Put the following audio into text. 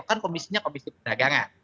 kan komisinya komisi perdagangan